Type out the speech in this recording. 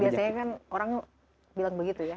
biasanya kan orang bilang begitu ya